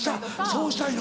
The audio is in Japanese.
そうしたいの？